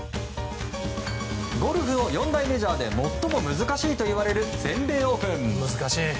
ゴルフの四大メジャーで最も難しいといわれる全米オープン。